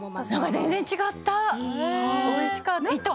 全然違った、おいしかった。